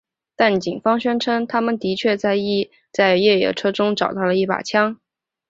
但警方宣称他们的确在越野车中找到了一把枪。